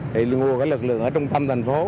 thì nguồn lực lượng ở trung tâm thành phố